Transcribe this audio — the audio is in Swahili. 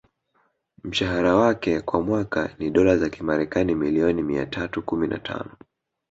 Mshahara wake kwa mwaka ni Dola za kimarekani milioni mia tatu kumi na tano